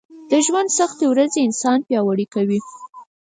د ژونــد سختې ورځې انـسان پـیاوړی کوي